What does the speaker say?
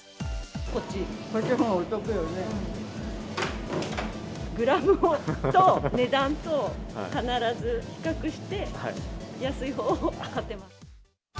こっち、これのほうがお得よグラムと値段と、必ず比較して、安いほうを買ってます。